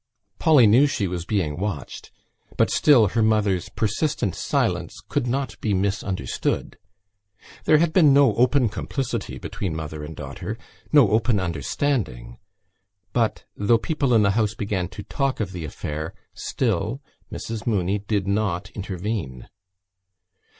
Polly knew that she was being watched, but still her mother's persistent silence could not be misunderstood. There had been no open complicity between mother and daughter, no open understanding but, though people in the house began to talk of the affair, still Mrs Mooney did not intervene.